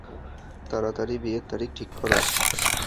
তাড়াতাড়ি বিয়ের তারিখ ঠিক কর।